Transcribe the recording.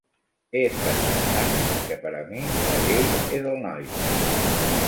He estat pensant que, per a mi, la llei és el noi.